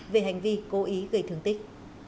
về hành vi cố ý gây thương tích